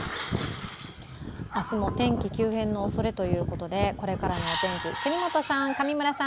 明日も天気急変のおそれということでこれからのお天気、國本さん、上村さん